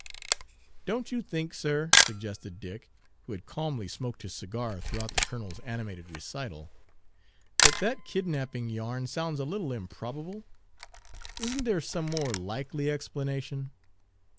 "Don't you think, sir," suggested Dick, who had calmly smoked his cigar throughout the colonel's animated recital, "that that kidnaping yarn sounds a little improbable? Is n't there some more likely explanation?"